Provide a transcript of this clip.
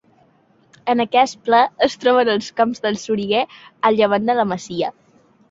En aquest pla es troben els Camps de Soriguer, a llevant de la masia.